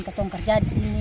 kata kata kerja di sini